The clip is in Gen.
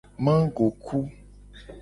Magoku.